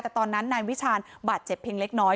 แต่ตอนนั้นนายวิชาญบาดเจ็บเพียงเล็กน้อย